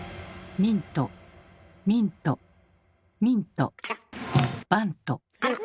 ミントミントミントバント。